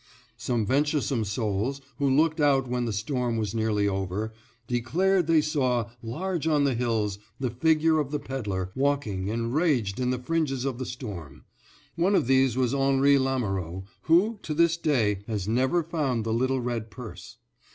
Some venturesome souls who looked out when the storm was nearly over, declared they saw, large on the hills, the figure of the pedler, walking enraged in the fringes of the storm. One of these was Henri Lamoureux, who, to this day, has never found the little red purse.